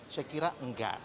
saya kira enggak